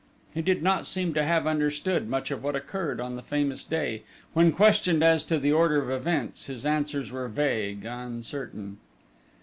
He did not seem to have understood much of what occurred on the famous day: when questioned as to the order of events, his answers were vague, uncertain.